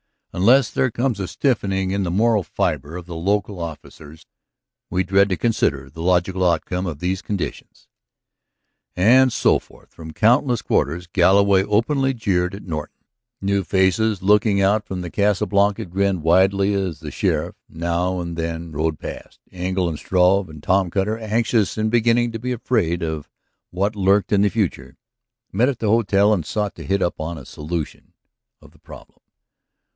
Unless there comes a stiffening in the moral fiber of the local officers, we dread to consider the logical outcome of these conditions." And so forth from countless quarters. Galloway openly jeered at Norton. New faces, looking out from the Casa Blanca, grinned widely as the sheriff now and then rode past. Engle and Struve and Tom Cutter, anxious and beginning to be afraid of what lurked in the future, met at the hotel and sought to hit upon a solution of the problem.